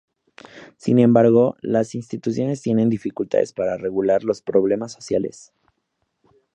Sin embargo, las instituciones tienen dificultades para regular los problemas sociales.